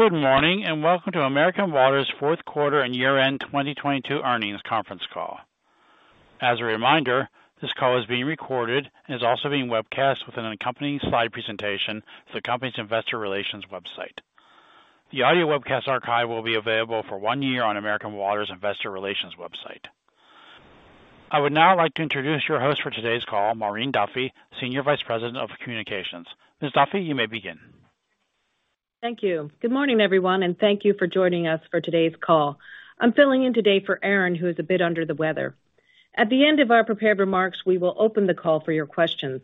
Good morning, and welcome to American Water's fourth quarter and year-end 2022 earnings conference call. As a reminder, this call is being recorded and is also being webcast with an accompanying slide presentation at the company's investor relations website. The audio webcast archive will be available for one year on American Water's investor relations website. I would now like to introduce your host for today's call, Maureen Duffy, Senior Vice President of Communications. Ms. Duffy, you may begin. Thank you. Good morning, everyone, and thank you for joining us for today's call. I'm filling in today for Erin, who is a bit under the weather. At the end of our prepared remarks, we will open the call for your questions.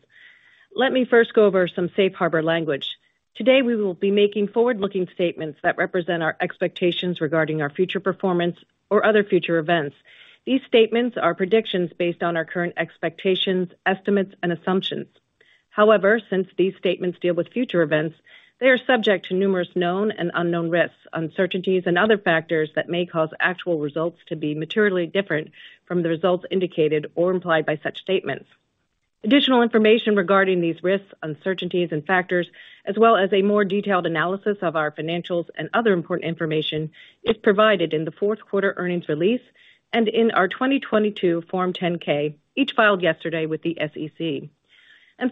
Let me first go over some safe harbor language. Today, we will be making forward-looking statements that represent our expectations regarding our future performance or other future events. These statements are predictions based on our current expectations, estimates, and assumptions. However, since these statements deal with future events, they are subject to numerous known and unknown risks, uncertainties, and other factors that may cause actual results to be materially different from the results indicated or implied by such statements. Additional information regarding these risks, uncertainties and factors, as well as a more detailed analysis of our financials and other important information is provided in the fourth quarter earnings release and in our 2022 Form 10-K, each filed yesterday with the SEC.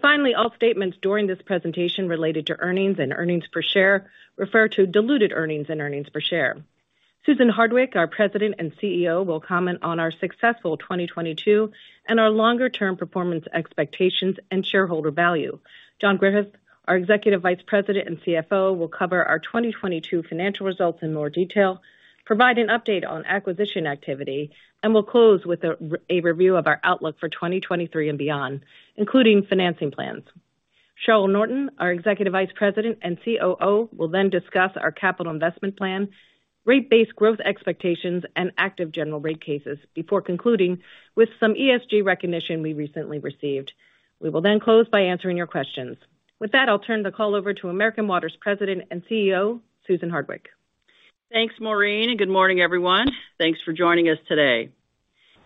Finally, all statements during this presentation related to earnings and earnings per share refer to diluted earnings and earnings per share. Susan Hardwick, our President and CEO, will comment on our successful 2022 and our longer-term performance expectations and shareholder value. John Griffith, our Executive Vice President and CFO, will cover our 2022 financial results in more detail, provide an update on acquisition activity, and will close with a review of our outlook for 2023 and beyond, including financing plans. Cheryl Norton, our Executive Vice President and COO, will then discuss our capital investment plan, rate base growth expectations, and active general rate cases before concluding with some ESG recognition we recently received. We will close by answering your questions. With that, I'll turn the call over to American Water's President and CEO, Susan Hardwick. Thanks, Maureen. Good morning, everyone. Thanks for joining us today.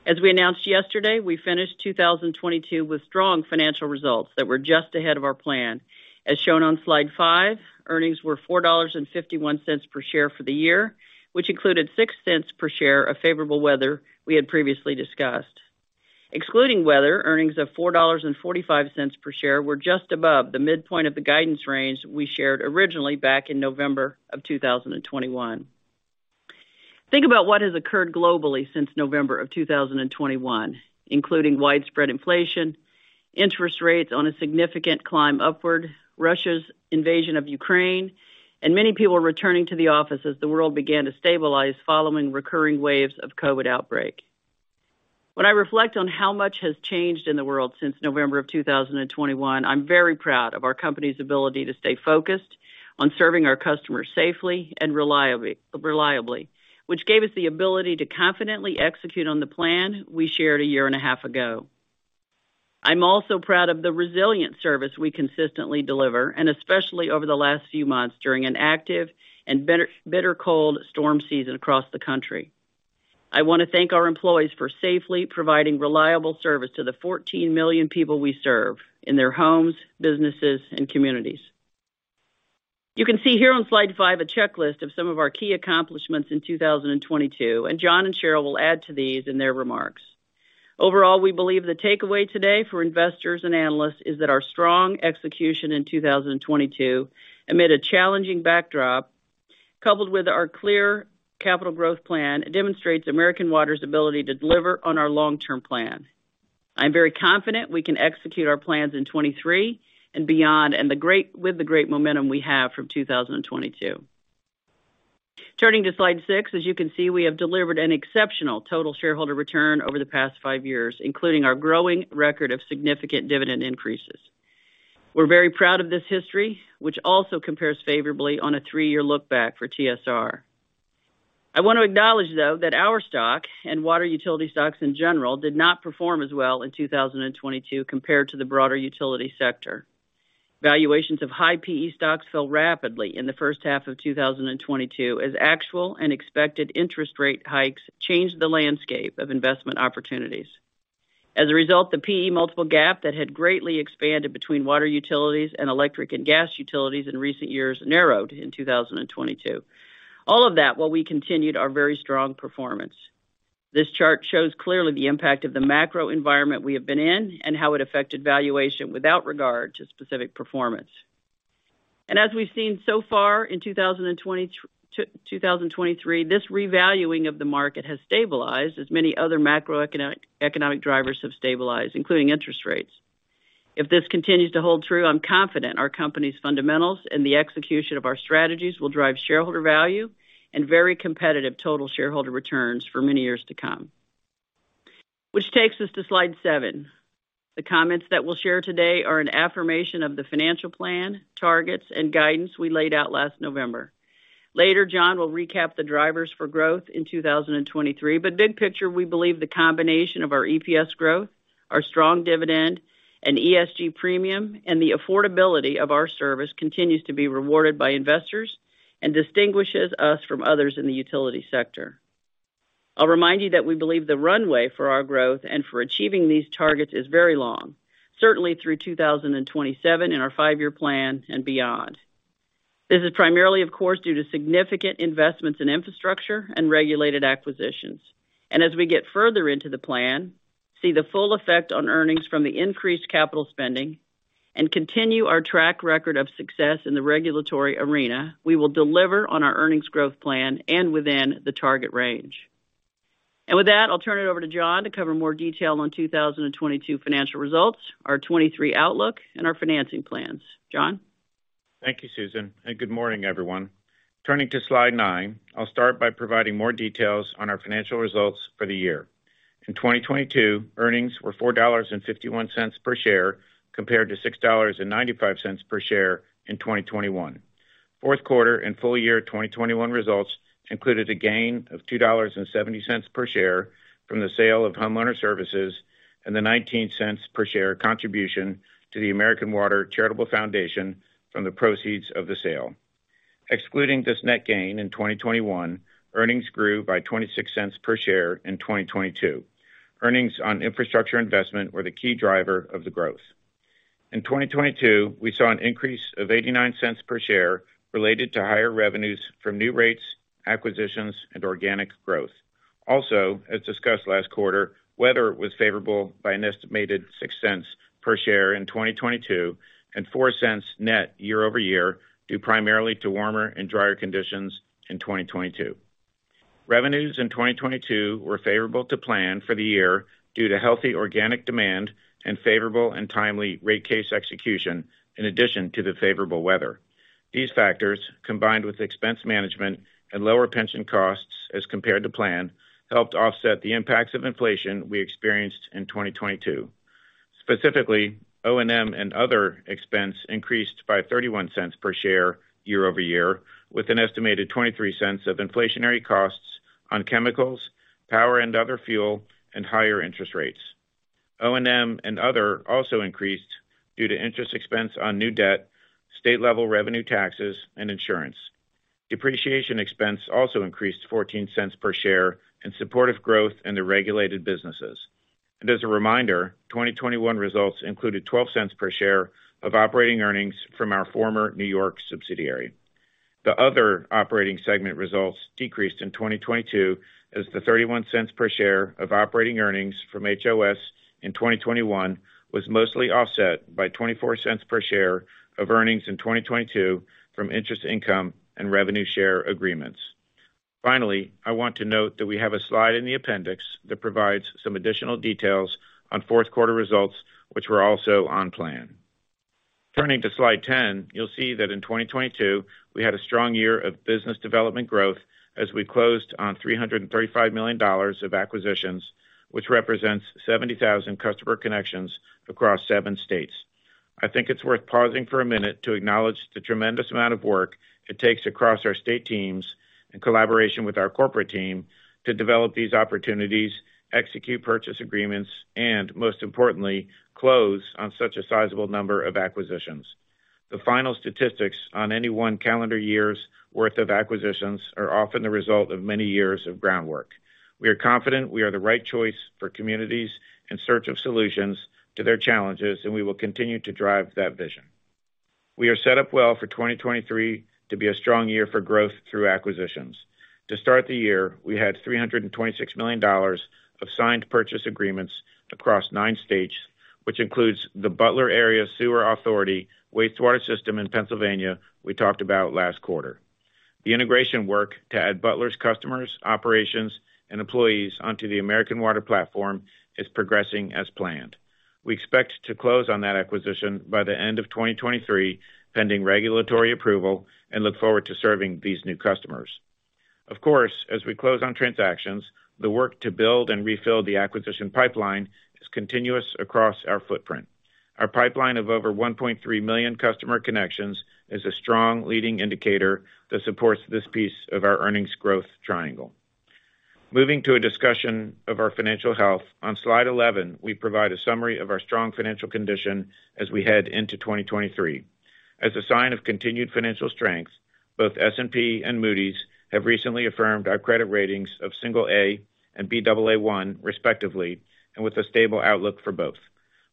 As we announced yesterday, we finished 2022 with strong financial results that were just ahead of our plan. As shown on slide five, earnings were $4.51 per share for the year, which included $0.06 per share of favorable weather we had previously discussed. Excluding weather, earnings of $4.45 per share were just above the midpoint of the guidance range we shared originally back in November 2021. Think about what has occurred globally since November 2021, including widespread inflation, interest rates on a significant climb upward, Russia's invasion of Ukraine, and many people returning to the office as the world began to stabilize following recurring waves of COVID outbreak. When I reflect on how much has changed in the world since November of 2021, I'm very proud of our company's ability to stay focused on serving our customers safely and reliably, which gave us the ability to confidently execute on the plan we shared a year and a half ago. I'm also proud of the resilient service we consistently deliver, and especially over the last few months during an active and bitter cold storm season across the country. I want to thank our employees for safely providing reliable service to the 14 million people we serve in their homes, businesses, and communities. You can see here on slide five a checklist of some of our key accomplishments in 2022, and John and Cheryl will add to these in their remarks. Overall, we believe the takeaway today for investors and analysts is that our strong execution in 2022, amid a challenging backdrop, coupled with our clear capital growth plan, demonstrates American Water's ability to deliver on our long-term plan. I'm very confident we can execute our plans in 23 and beyond with the great momentum we have from 2022. Turning to slide six, as you can see, we have delivered an exceptional total shareholder return over the past five years, including our growing record of significant dividend increases. We're very proud of this history, which also compares favorably on a three-year look back for TSR. I want to acknowledge, though, that our stock and water utility stocks in general did not perform as well in 2022 compared to the broader utility sector. Valuations of high P/E stocks fell rapidly in the first half of 2022 as actual and expected interest rate hikes changed the landscape of investment opportunities. As a result, the P/E multiple gap that had greatly expanded between water utilities and electric and gas utilities in recent years narrowed in 2022. All of that while we continued our very strong performance. This chart shows clearly the impact of the macro environment we have been in and how it affected valuation without regard to specific performance. As we've seen so far in 2022, 2023, this revaluing of the market has stabilized as many other macroeconomic, economic drivers have stabilized, including interest rates. If this continues to hold true, I'm confident our company's fundamentals and the execution of our strategies will drive shareholder value and very competitive total shareholder returns for many years to come. Takes us to slide seven. The comments that we'll share today are an affirmation of the financial plan, targets, and guidance we laid out last November. Later, John will recap the drivers for growth in 2023. Big picture, we believe the combination of our EPS growth, our strong dividend and ESG premium, and the affordability of our service continues to be rewarded by investors and distinguishes us from others in the utility sector. I'll remind you that we believe the runway for our growth and for achieving these targets is very long, certainly through 2027 in our five-year plan and beyond. This is primarily, of course, due to significant investments in infrastructure and regulated acquisitions. As we get further into the plan, see the full effect on earnings from the increased capital spending, and continue our track record of success in the regulatory arena, we will deliver on our earnings growth plan and within the target range. With that, I'll turn it over to John to cover more detail on 2022 financial results, our 2023 outlook, and our financing plans. John? Thank you, Susan, and good morning, everyone. Turning to slide nine, I'll start by providing more details on our financial results for the year. In 2022, earnings were $4.51 per share, compared to $6.95 per share in 2021. Fourth quarter and full-year 2021 results included a gain of $2.70 per share from the sale of Homeowner Services and the $0.19 per share contribution to the American Water Charitable Foundation from the proceeds of the sale. Excluding this net gain in 2021, earnings grew by $0.26 per share in 2022. Earnings on infrastructure investment were the key driver of the growth. In 2022, we saw an increase of $0.89 per share related to higher revenues from new rates, acquisitions, and organic growth. As discussed last quarter, weather was favorable by an estimated $0.06 per share in 2022 and $0.04 net year-over-year, due primarily to warmer and drier conditions in 2022. Revenues in 2022 were favorable to plan for the year due to healthy organic demand and favorable and timely rate case execution, in addition to the favorable weather. These factors, combined with expense management and lower pension costs as compared to plan, helped offset the impacts of inflation we experienced in 2022. Specifically, O&M and other expense increased by $0.31 per share year-over-year, with an estimated $0.23 of inflationary costs on chemicals, power and other fuel, and higher interest rates. O&M and other also increased due to interest expense on new debt, state-level revenue taxes, and insurance. Depreciation expense also increased $0.14 per share in support of growth in the regulated businesses. As a reminder, 2021 results included $0.12 per share of operating earnings from our former New York subsidiary. The other operating segment results decreased in 2022 as the $0.31 per share of operating earnings from HOS in 2021 was mostly offset by $0.24 per share of earnings in 2022 from interest income and revenue share agreements. I want to note that we have a slide in the appendix that provides some additional details on fourth quarter results, which were also on plan. Turning to slide 10, you'll see that in 2022, we had a strong year of business development growth as we closed on $335 million of acquisitions, which represents 70,000 customer connections across seven states. I think it's worth pausing for a minute to acknowledge the tremendous amount of work it takes across our state teams in collaboration with our corporate team to develop these opportunities, execute purchase agreements, and most importantly, close on such a sizable number of acquisitions. The final statistics on any one calendar year's worth of acquisitions are often the result of many years of groundwork. We are confident we are the right choice for communities in search of solutions to their challenges, and we will continue to drive that vision. We are set up well for 2023 to be a strong year for growth through acquisitions. To start the year, we had $326 million of signed purchase agreements across nine states, which includes the Butler Area Sewer Authority Wastewater System in Pennsylvania we talked about last quarter. The integration work to add Butler's customers, operations, and employees onto the American Water platform is progressing as planned. We expect to close on that acquisition by the end of 2023, pending regulatory approval, and look forward to serving these new customers. Of course, as we close on transactions, the work to build and refill the acquisition pipeline is continuous across our footprint. Our pipeline of over 1.3 million customer connections is a strong leading indicator that supports this piece of our earnings growth triangle. Moving to a discussion of our financial health, on slide 11, we provide a summary of our strong financial condition as we head into 2023. As a sign of continued financial strength, both S&P and Moody's have recently affirmed our credit ratings of single A and Baa1 respectively, and with a stable outlook for both.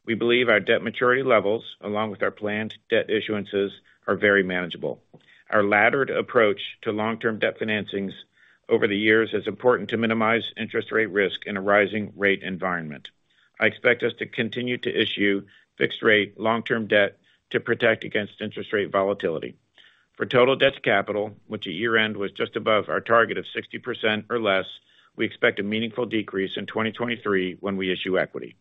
We believe our debt maturity levels, along with our planned debt issuances, are very manageable. Our laddered approach to long-term debt financings over the years is important to minimize interest rate risk in a rising rate environment. I expect us to continue to issue fixed rate long-term debt to protect against interest rate volatility. For total debt to capital, which at year-end was just above our target of 60% or less, we expect a meaningful decrease in 2023 when we issue equity.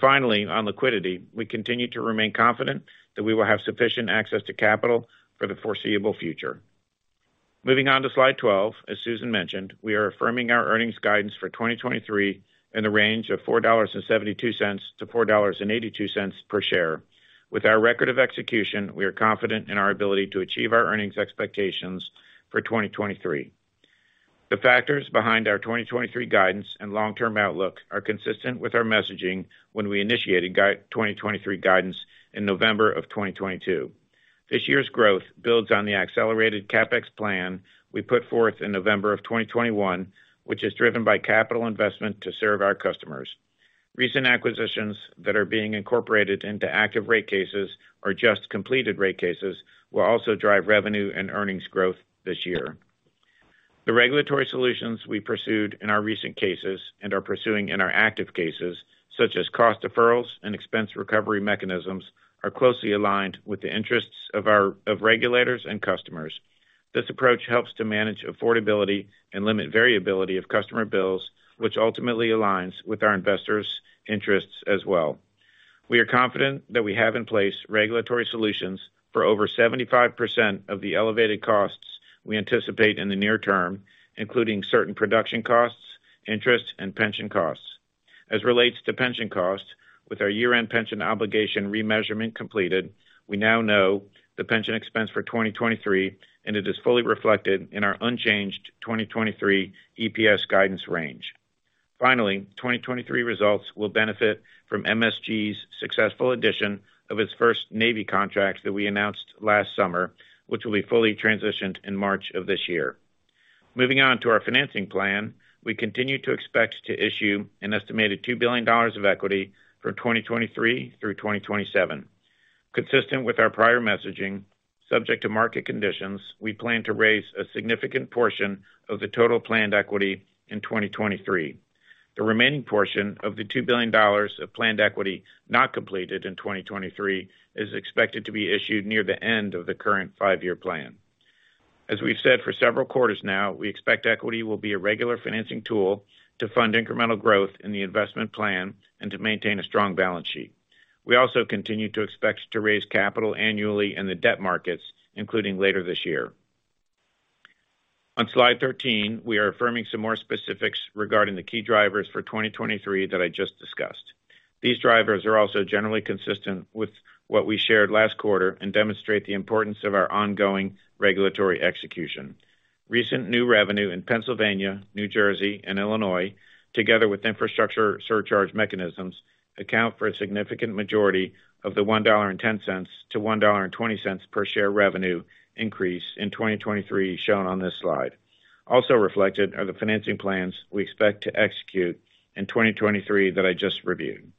Finally, on liquidity, we continue to remain confident that we will have sufficient access to capital for the foreseeable future. Moving on to slide 12, as Susan mentioned, we are affirming our earnings guidance for 2023 in the range of $4.72-$4.82 per share. With our record of execution, we are confident in our ability to achieve our earnings expectations for 2023. The factors behind our 2023 guidance and long-term outlook are consistent with our messaging when we initiated 2023 guidance in November of 2022. This year's growth builds on the accelerated CapEx plan we put forth in November of 2021, which is driven by capital investment to serve our customers. Recent acquisitions that are being incorporated into active rate cases or just completed rate cases will also drive revenue and earnings growth this year. The regulatory solutions we pursued in our recent cases and are pursuing in our active cases, such as cost deferrals and expense recovery mechanisms, are closely aligned with the interests of regulators and customers. This approach helps to manage affordability and limit variability of customer bills, which ultimately aligns with our investors' interests as well. We are confident that we have in place regulatory solutions for over 75% of the elevated costs we anticipate in the near term, including certain production costs, interest, and pension costs. As relates to pension costs, with our year-end pension obligation remeasurement completed, we now know the pension expense for 2023, and it is fully reflected in our unchanged 2023 EPS guidance range. Finally, 2023 results will benefit from MSG's successful addition of its first Navy contracts that we announced last summer, which will be fully transitioned in March of this year. Moving on to our financing plan, we continue to expect to issue an estimated $2 billion of equity for 2023 through 2027. Consistent with our prior messaging, subject to market conditions, we plan to raise a significant portion of the total planned equity in 2023. The remaining portion of the $2 billion of planned equity not completed in 2023 is expected to be issued near the end of the current five-year plan. As we've said for several quarters now, we expect equity will be a regular financing tool to fund incremental growth in the investment plan and to maintain a strong balance sheet. We also continue to expect to raise capital annually in the debt markets, including later this year. On slide 13, we are affirming some more specifics regarding the key drivers for 2023 that I just discussed. These drivers are also generally consistent with what we shared last quarter and demonstrate the importance of our ongoing regulatory execution. Recent new revenue in Pennsylvania, New Jersey, and Illinois, together with infrastructure surcharge mechanisms, account for a significant majority of the $1.10-$1.20 per share revenue increase in 2023 shown on this slide. Also reflected are the financing plans we expect to execute in 2023 that I just reviewed.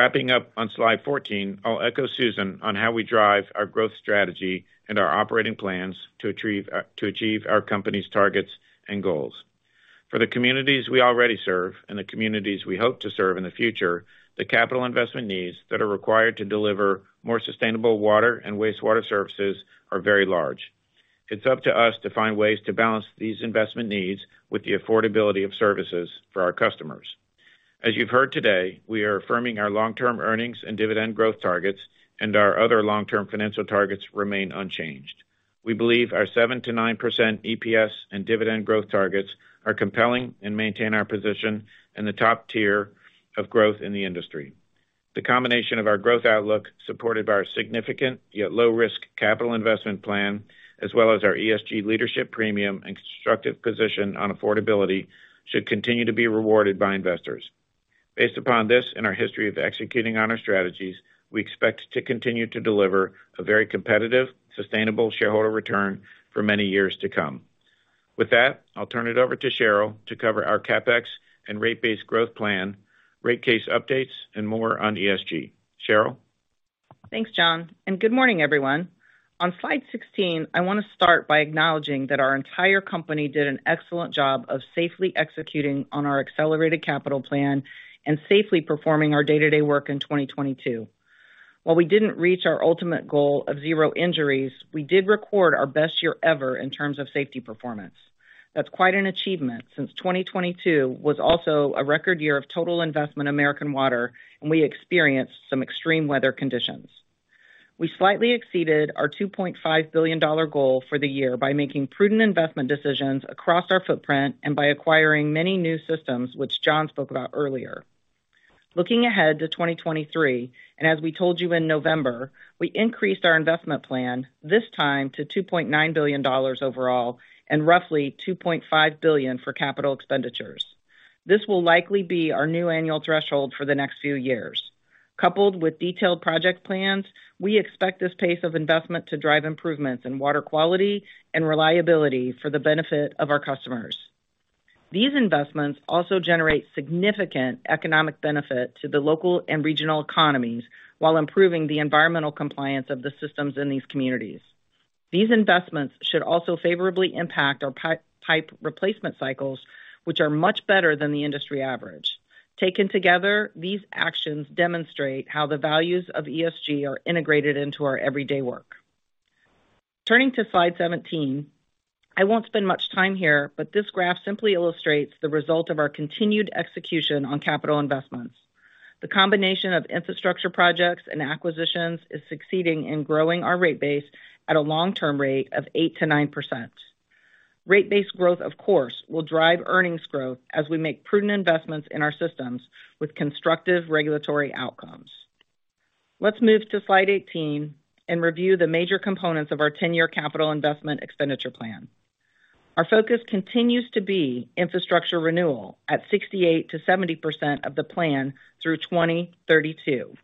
Wrapping up on slide 14, I'll echo Susan on how we drive our growth strategy and our operating plans to achieve our company's targets and goals. For the communities we already serve and the communities we hope to serve in the future, the capital investment needs that are required to deliver more sustainable water and wastewater services are very large. It's up to us to find ways to balance these investment needs with the affordability of services for our customers. As you've heard today, we are affirming our long-term earnings and dividend growth targets, and our other long-term financial targets remain unchanged. We believe our 7%-9% EPS and dividend growth targets are compelling and maintain our position in the top tier of growth in the industry. The combination of our growth outlook, supported by our significant yet low-risk capital investment plan, as well as our ESG leadership premium and constructive position on affordability, should continue to be rewarded by investors. Based upon this and our history of executing on our strategies, we expect to continue to deliver a very competitive, sustainable shareholder return for many years to come. With that, I'll turn it over to Cheryl to cover our CapEx and rate base growth plan, rate case updates, and more on ESG. Cheryl? Thanks, John. Good morning, everyone. On slide 16, I want to start by acknowledging that our entire company did an excellent job of safely executing on our accelerated capital plan and safely performing our day-to-day work in 2022. While we didn't reach our ultimate goal of zero injuries, we did record our best year ever in terms of safety performance. That's quite an achievement since 2022 was also a record year of total investment in American Water, and we experienced some extreme weather conditions. We slightly exceeded our $2.5 billion goal for the year by making prudent investment decisions across our footprint and by acquiring many new systems, which John spoke about earlier. Looking ahead to 2023, as we told you in November, we increased our investment plan, this time to $2.9 billion overall and roughly $2.5 billion for CapEx. This will likely be our new annual threshold for the next few years. Coupled with detailed project plans, we expect this pace of investment to drive improvements in water quality and reliability for the benefit of our customers. These investments also generate significant economic benefit to the local and regional economies while improving the environmental compliance of the systems in these communities. These investments should also favorably impact our pipe replacement cycles, which are much better than the industry average. Taken together, these actions demonstrate how the values of ESG are integrated into our everyday work. Turning to slide 17, I won't spend much time here, but this graph simply illustrates the result of our continued execution on capital investments. The combination of infrastructure projects and acquisitions is succeeding in growing our rate base at a long-term rate of 8%-9%. Rate base growth, of course, will drive earnings growth as we make prudent investments in our systems with constructive regulatory outcomes. Let's move to slide 18 and review the major components of our 10-year capital investment expenditure plan. Our focus continues to be infrastructure renewal at 68%-70% of the plan through 2032.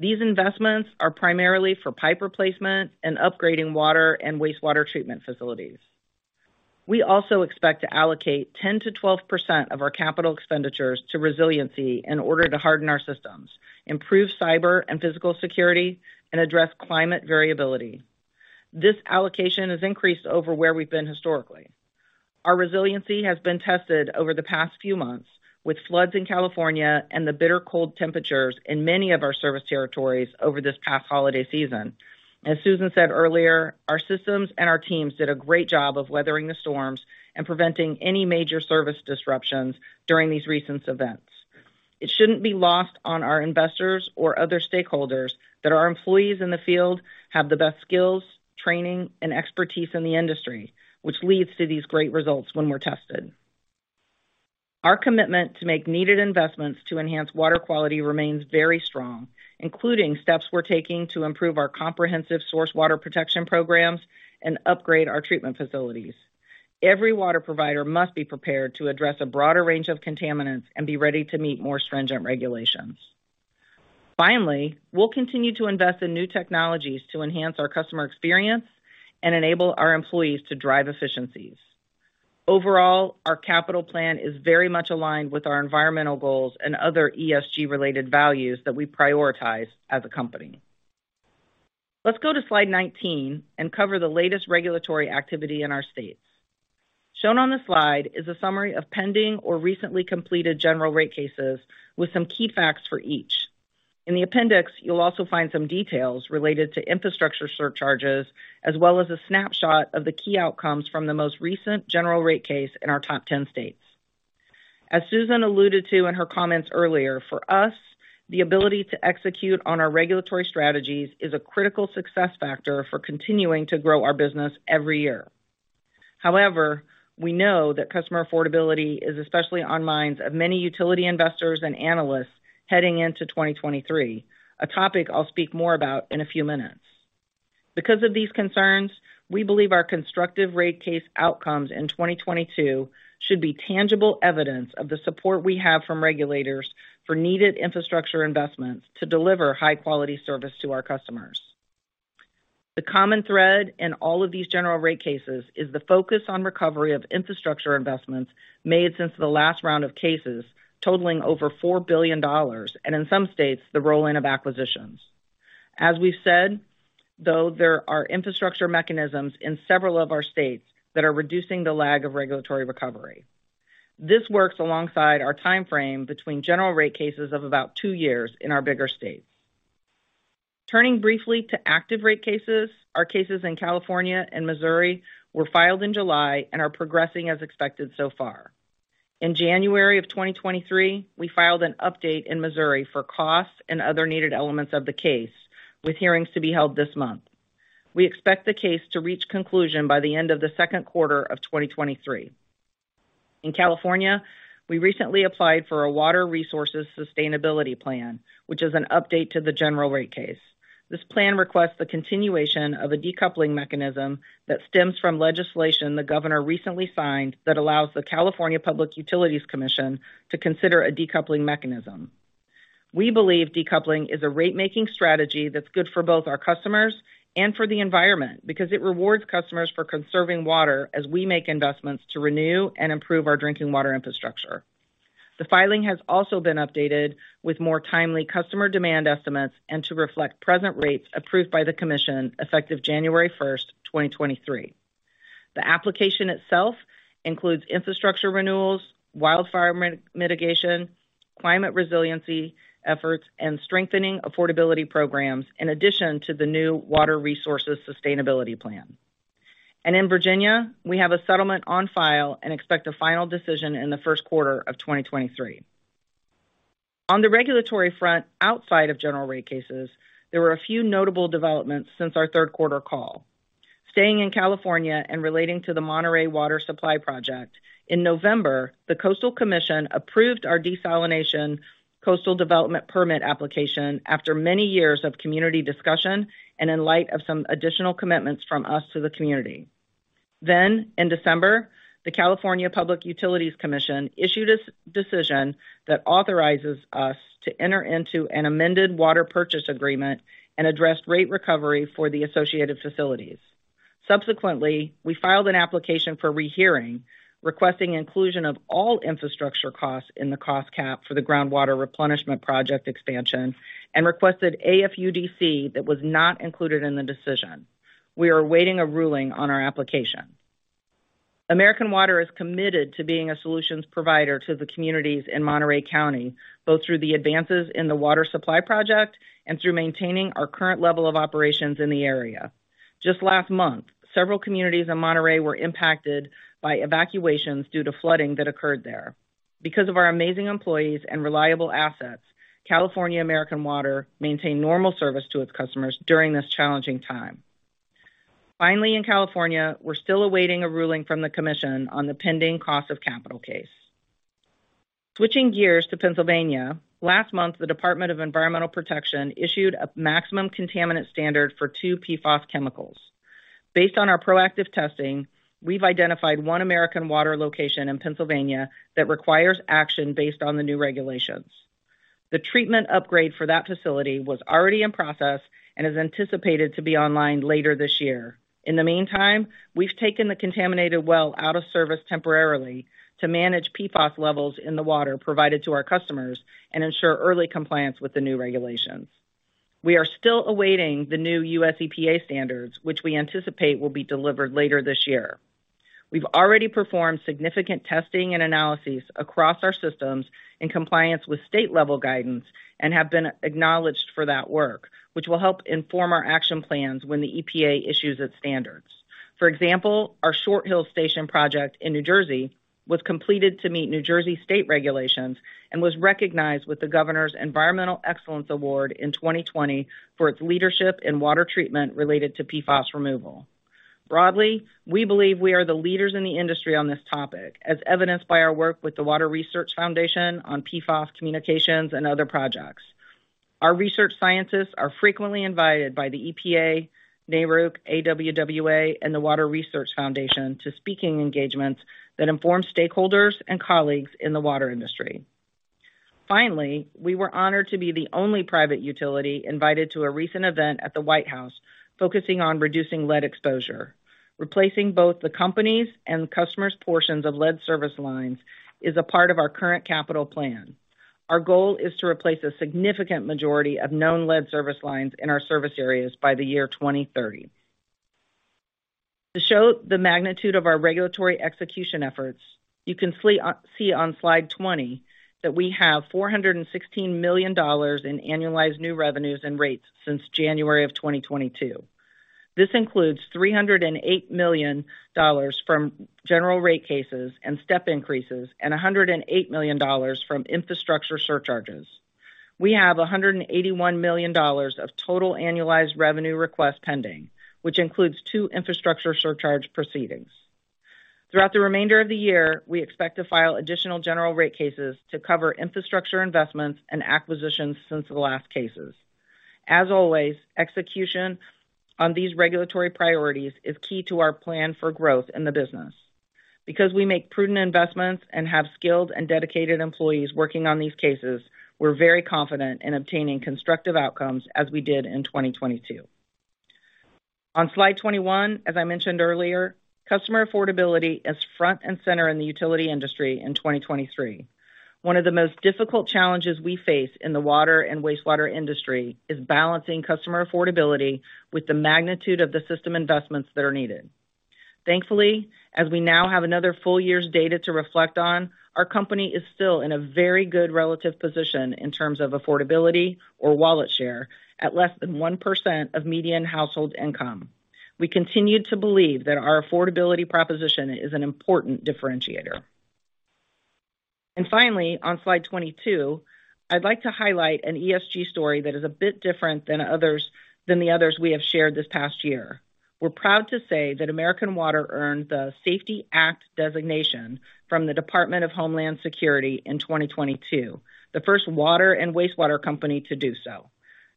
These investments are primarily for pipe replacement and upgrading water and wastewater treatment facilities. We also expect to allocate 10%-12% of our capital expenditures to resiliency in order to harden our systems, improve cyber and physical security, and address climate variability. This allocation has increased over where we've been historically. Our resiliency has been tested over the past few months with floods in California and the bitter cold temperatures in many of our service territories over this past holiday season. As Susan said earlier, our systems and our teams did a great job of weathering the storms and preventing any major service disruptions during these recent events. It shouldn't be lost on our investors or other stakeholders that our employees in the field have the best skills, training, and expertise in the industry, which leads to these great results when we're tested. Our commitment to make needed investments to enhance water quality remains very strong, including steps we're taking to improve our comprehensive source water protection programs and upgrade our treatment facilities. Every water provider must be prepared to address a broader range of contaminants and be ready to meet more stringent regulations. We'll continue to invest in new technologies to enhance our customer experience and enable our employees to drive efficiencies. Our capital plan is very much aligned with our environmental goals and other ESG related values that we prioritize as a company. Let's go to slide 19 and cover the latest regulatory activity in our states. Shown on the slide is a summary of pending or recently completed general rate cases with some key facts for each. In the appendix, you'll also find some details related to infrastructure surcharges as well as a snapshot of the key outcomes from the most recent general rate case in our top 10 states. As Susan alluded to in her comments earlier, for us, the ability to execute on our regulatory strategies is a critical success factor for continuing to grow our business every year. However, we know that customer affordability is especially on minds of many utility investors and analysts heading into 2023, a topic I'll speak more about in a few minutes. Because of these concerns, we believe our constructive rate case outcomes in 2022 should be tangible evidence of the support we have from regulators for needed infrastructure investments to deliver high quality service to our customers. The common thread in all of these general rate cases is the focus on recovery of infrastructure investments made since the last round of cases totaling over $4 billion, and in some states, the roll-in of acquisitions. As we've said, though there are infrastructure mechanisms in several of our states that are reducing the lag of regulatory recovery. This works alongside our timeframe between general rate cases of about two years in our bigger states. Turning briefly to active rate cases, our cases in California and Missouri were filed in July and are progressing as expected so far. In January of 2023, we filed an update in Missouri for costs and other needed elements of the case, with hearings to be held this month. We expect the case to reach conclusion by the end of the second quarter of 2023. In California, we recently applied for a Water Resources Sustainability Plan, which is an update to the general rate case. This plan requests the continuation of a decoupling mechanism that stems from legislation the governor recently signed that allows the California Public Utilities Commission to consider a decoupling mechanism. We believe decoupling is a ratemaking strategy that's good for both our customers and for the environment because it rewards customers for conserving water as we make investments to renew and improve our drinking water infrastructure. The filing has also been updated with more timely customer demand estimates and to reflect present rates approved by the commission effective January 1st, 2023. The application itself includes infrastructure renewals, wildfire mitigation, climate resiliency efforts, and strengthening affordability programs in addition to the new Water Resources Sustainability Plan. In Virginia, we have a settlement on file and expect a final decision in the first quarter of 2023. On the regulatory front outside of general rate cases, there were a few notable developments since our third quarter call. Staying in California and relating to the Monterey Peninsula Water Supply Project, in November, the California Coastal Commission approved our desalination coastal development permit application after many years of community discussion and in light of some additional commitments from us to the community. In December, the California Public Utilities Commission issued a decision that authorizes us to enter into an amended water purchase agreement and address rate recovery for the associated facilities. Subsequently, we filed an application for rehearing, requesting inclusion of all infrastructure costs in the cost cap for the Pure Water Monterey Groundwater Replenishment Project expansion and requested AFUDC that was not included in the decision. We are awaiting a ruling on our application. American Water is committed to being a solutions provider to the communities in Monterey County, both through the advances in the water supply project and through maintaining our current level of operations in the area. Just last month, several communities in Monterey were impacted by evacuations due to flooding that occurred there. Of our amazing employees and reliable assets, California American Water maintained normal service to its customers during this challenging time. In California, we're still awaiting a ruling from the commission on the pending cost of capital case. Switching gears to Pennsylvania. Last month, the Department of Environmental Protection issued a maximum contaminant standard for two PFAS chemicals. Based on our proactive testing, we've identified one American Water location in Pennsylvania that requires action based on the new regulations. The treatment upgrade for that facility was already in process and is anticipated to be online later this year. In the meantime, we've taken the contaminated well out of service temporarily to manage PFAS levels in the water provided to our customers and ensure early compliance with the new regulations. We are still awaiting the new U.S. EPA standards, which we anticipate will be delivered later this year. We've already performed significant testing and analyses across our systems in compliance with state level guidance and have been acknowledged for that work, which will help inform our action plans when the EPA issues its standards. For example, our Short Hills Station project in New Jersey was completed to meet New Jersey state regulations and was recognized with the Governor's Award for Environmental Excellence in 2020 for its leadership in water treatment related to PFAS removal. Broadly, we believe we are the leaders in the industry on this topic, as evidenced by our work with The Water Research Foundation on PFAS communications and other projects. Our research scientists are frequently invited by the EPA, NARUC, AWWA, and The Water Research Foundation to speaking engagements that inform stakeholders and colleagues in the water industry. We were honored to be the only private utility invited to a recent event at the White House focusing on reducing lead exposure. Replacing both the companies and customers portions of lead service lines is a part of our current capital plan. Our goal is to replace a significant majority of known lead service lines in our service areas by the year 2030. To show the magnitude of our regulatory execution efforts, you can see on slide 20 that we have $416 million in annualized new revenues and rates since January 2022. This includes $308 million from general rate cases and step increases, and $108 million from infrastructure surcharges. We have $181 million of total annualized revenue request pending, which includes two infrastructure surcharge proceedings. Throughout the remainder of the year, we expect to file additional general rate cases to cover infrastructure investments and acquisitions since the last cases. As always, execution on these regulatory priorities is key to our plan for growth in the business. We make prudent investments and have skilled and dedicated employees working on these cases, we're very confident in obtaining constructive outcomes as we did in 2022. On slide 21, as I mentioned earlier, customer affordability is front and center in the utility industry in 2023. One of the most difficult challenges we face in the water and wastewater industry is balancing customer affordability with the magnitude of the system investments that are needed. Thankfully, as we now have another full-year's data to reflect on, our company is still in a very good relative position in terms of affordability or wallet share at less than 1% of median household income. We continue to believe that our affordability proposition is an important differentiator. Finally, on slide 22, I'd like to highlight an ESG story that is a bit different than others than the others we have shared this past year. We're proud to say that American Water earned the SAFETY Act designation from the Department of Homeland Security in 2022, the first water and wastewater company to do so.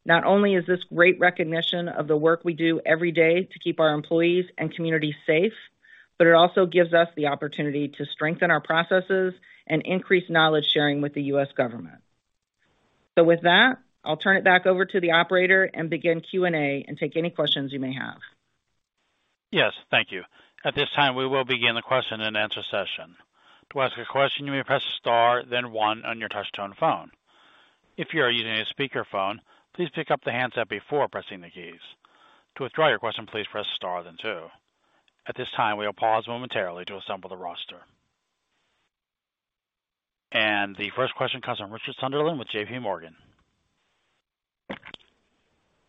Not only is this great recognition of the work we do every day to keep our employees and communities safe, but it also gives us the opportunity to strengthen our processes and increase knowledge sharing with the U.S. government. With that, I'll turn it back over to the operator and begin Q&A and take any questions you may have. Yes, thank you. At this time, we will begin the question and answer session. To ask a question, you may press star then one on your touchtone phone. If you are using a speakerphone, please pick up the handset before pressing the keys. To withdraw your question, please press star then two. At this time, we will pause momentarily to assemble the roster. The first question comes from Richard Sunderland with JPMorgan.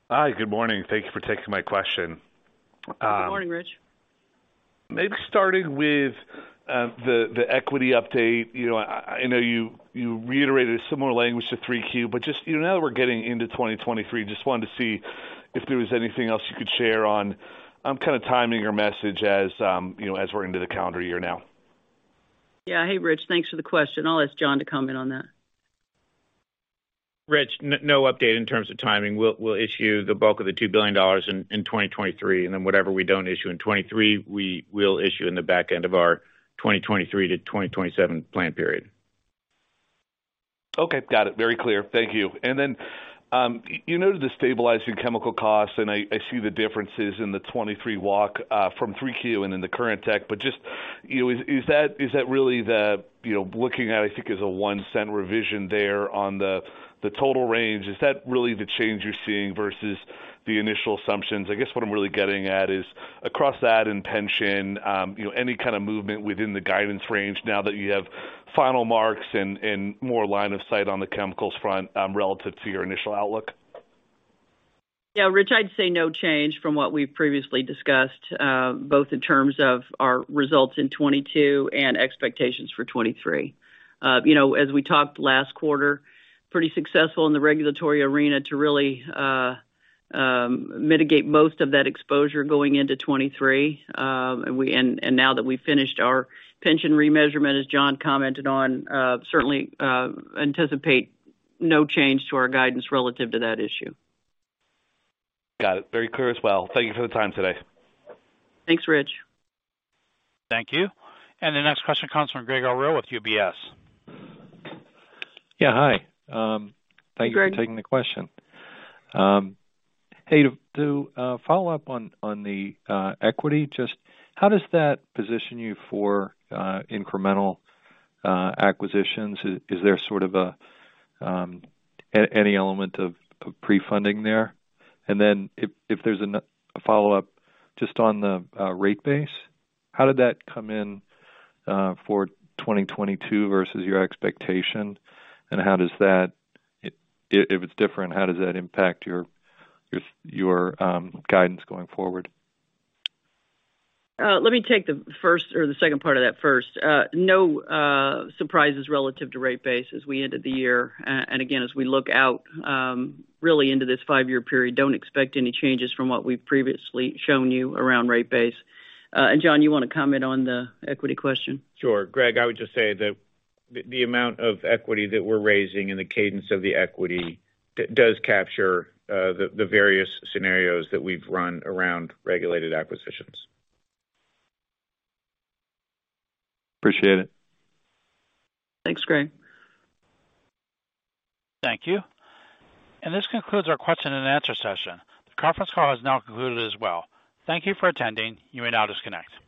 Hi. Good morning. Thank you for taking my question. Good morning, Rich. Maybe starting with the equity update. You know, I know you reiterated similar language to 3Q, but just, you know, now that we're getting into 2023, just wanted to see if there was anything else you could share on kind of timing your message as, you know, as we're into the calendar year now. Hey, Rich, thanks for the question. I'll ask John to comment on that. Rich, no update in terms of timing. We'll issue the bulk of the $2 billion in 2023, whatever we don't issue in 2023, we will issue in the back end of our 2023-2027 plan period. Okay, got it. Very clear. Thank you. Then, you noted the stabilizing chemical costs, and I see the differences in the 23 walk, from 3Q and in the current deck. Just, you know, is that really the, you know, looking at I think is a $0.01 revision there on the total range, is that really the change you're seeing versus the initial assumptions? I guess what I'm really getting at is across that in pension, you know, any kind of movement within the guidance range now that you have final marks and more line of sight on the chemicals front, relative to your initial outlook? Yeah, Rich, I'd say no change from what we've previously discussed, both in terms of our results in 2022 and expectations for 2023. you know, as we talked last quarter, pretty successful in the regulatory arena to really mitigate most of that exposure going into 2023. now that we've finished our pension remeasurement, as John commented on, certainly anticipate no change to our guidance relative to that issue. Got it. Very clear as well. Thank you for the time today. Thanks, Rich. Thank you. The next question comes from Gregg Orrill with UBS. Yeah. Hi. Hi, Greg. Thank you for taking the question. Hey, to follow up on the equity, just how does that position you for incremental acquisitions? Is there sort of any element of pre-funding there? If there's a follow-up just on the rate base, how did that come in for 2022 versus your expectation, and if it's different, how does that impact your guidance going forward? Let me take the first or the second part of that first. No, surprises relative to rate base as we ended the year. Again, as we look out, really into this five-year period, don't expect any changes from what we've previously shown you around rate base. John, you wanna comment on the equity question? Sure. Greg, I would just say that the amount of equity that we're raising and the cadence of the equity does capture, the various scenarios that we've run around regulated acquisitions. Appreciate it. Thanks, Gregg. Thank you. This concludes our question and answer session. The conference call has now concluded as well. Thank you for attending. You may now disconnect.